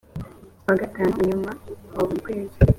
ku wa gatanu wa nyuma wa buri kwezi .